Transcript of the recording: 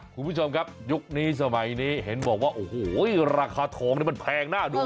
คุณผู้ชมครับยุคนี้สมัยนี้เห็นบอกว่าโอ้โหราคาทองนี่มันแพงน่าดู